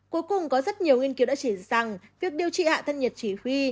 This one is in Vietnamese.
cuối cùng có rất nhiều nghiên cứu đã chỉ rằng việc điều trị hạ thân nhiệt chỉ huy